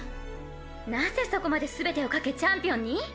なぜそこまですべてを懸けチャンピオンに？